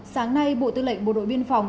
sáng nay bộ tư lệnh bộ đội biên phòng